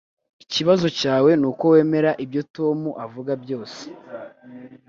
Ikibazo cyawe nuko wemera ibyo Tom avuga byose.